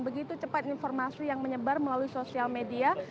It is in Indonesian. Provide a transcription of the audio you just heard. begitu cepat informasi yang menyebar melalui sosial media